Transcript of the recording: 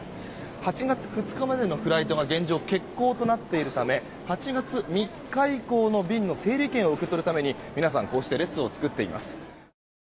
８月２日までのフライトは現状で欠航となっているため８月３日以降の便の整理券を受け取るために皆さんこうして列を作っています。